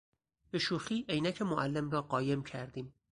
به شوخی عینک معلم را قایم کردیم.